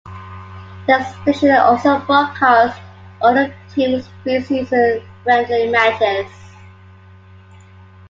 The station also broadcasts all of the team's pre-season friendly matches.